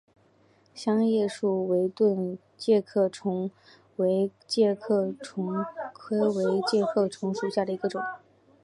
香叶树围盾介壳虫为盾介壳虫科围盾介壳虫属下的一个种。